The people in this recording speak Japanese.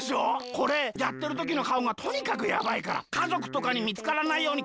これやってるときのかおがとにかくやばいからかぞくとかにみつからないようにきをつけてね！